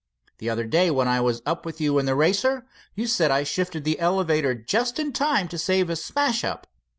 The other day when I was up with you in the Racer, you. said I shifted the elevator just in time to save a smash up.